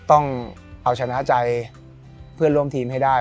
ต้องเอาชนะใจเพื่อนร่วมทีมให้ได้